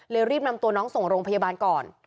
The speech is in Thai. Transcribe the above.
รีบนำตัวน้องส่งโรงพยาบาลก่อน